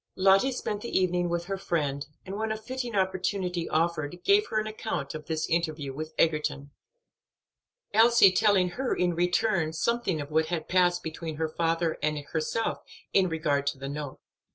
Lottie spent the evening with her friend, and when a fitting opportunity offered gave her an account of this interview with Egerton, Elsie telling her in return something of what had passed between her father and herself in regard to the note.